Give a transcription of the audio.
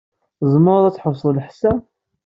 Tzemreḍ ad tḥebseḍ lḥess-a?